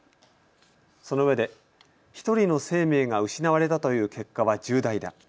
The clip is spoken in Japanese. そのうえで１人の生命が失われたという結果は重大だ。